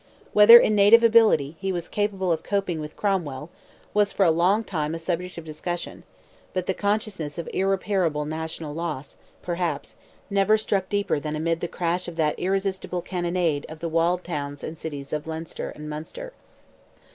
Whether in native ability he was capable of coping with Cromwell, was for a long time a subject of discussion; but the consciousness of irreparable national loss, perhaps, never struck deeper than amid the crash of that irresistible cannonade of the walled towns and cities of Leinster and Munster.